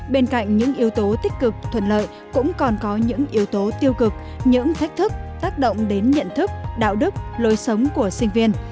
bên cạnh những yếu tố tích cực thuận lợi cũng còn có những yếu tố tiêu cực những thách thức tác động đến nhận thức đạo đức lối sống của sinh viên